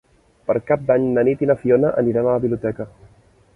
Per Cap d'Any na Nit i na Fiona aniran a la biblioteca.